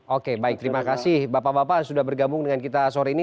oke baik terima kasih bapak bapak sudah bergabung dengan kita sore ini